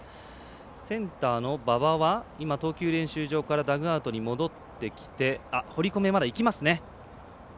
センターの馬場は投球練習場からダグアウトに戻ってきて堀米、まだいきますね。